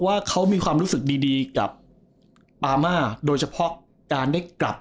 ว่าเขามีความรู้สึกดีกับปามาโดยเฉพาะการได้กลับ